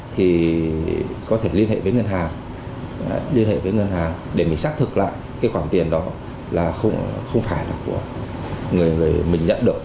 thì có thể liên hệ với ngân hàng để xác thực lại khoản tiền đó không phải là của người mình nhận được